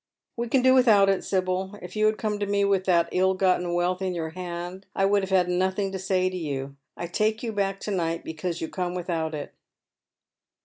" We can do without it, Sibyl. If you had come to me with that ill gotten wealth in your hand I would have had nothing to say to you. I take you back to night because you com* without it."